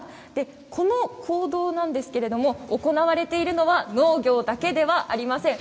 この坑道なんですが行われているのは農業だけではありません。